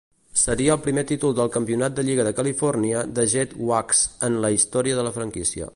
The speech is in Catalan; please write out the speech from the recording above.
Seria el primer títol del Campionat de Lliga de Califòrnia de JetHawks en la història de la franquícia.